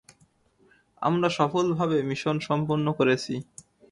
আমরা সফলভাবে মিশন সম্পন্ন করেছি।